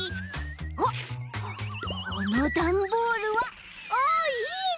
あっこのダンボールはあいいね！